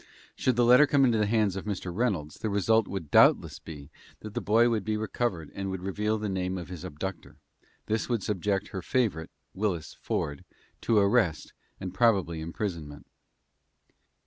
Should the letter come into the hands of Mr. Reynolds, the result would doubtless be that the boy would be recovered, and would reveal the name of his abductor. This would subject her favorite, Willis Ford, to arrest, and probably imprisonment.